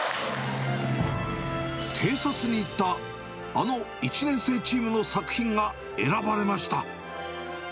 偵察に行ったあの１年生チームの作品が選ばれました。